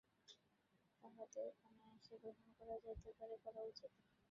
তাহাদের অনায়াসে গ্রহণ করা যাইতে পারে, করা উচিতও।